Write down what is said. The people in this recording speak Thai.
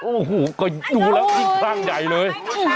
โอโหก็ดูแล้วที่ข้างใหญ่เลย